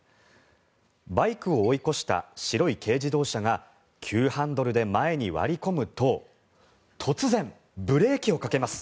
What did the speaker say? バイクを追い越した白い軽自動車が急ハンドルで前に割り込むと突然、ブレーキをかけます。